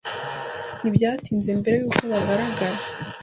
Ntibyatinze mbere yuko bagaragara.